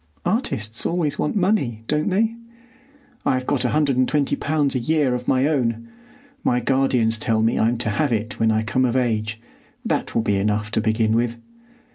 "Artists always want money, don't they?" "I've got a hundred and twenty pounds a year of my own. My guardians tell me I'm to have it when I come of age. That will be enough to begin with."